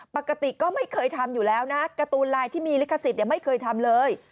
ปกติก็ไม่เคยทำอยู่แล้วนะการ์ตูนลายที่มีลิขสิทธิ์ไม่เคยทำเลย